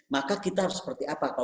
maka kita harus seperti apa